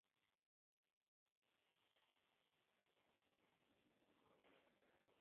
All trains have dedicated spaces for passengers carrying bicycles.